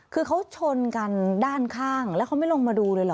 คือเขาชนกันด้านข้างแล้วเขาไม่ลงมาดูเลยเหรอ